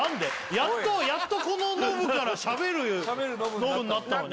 やっとやっとこのノブから喋るノブになったのに？